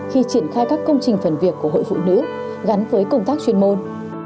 khi triển khai các công trình phần việc của hội phụ nữ gắn với công tác chuyên môn